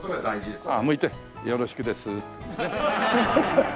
向いてよろしくですっていうね。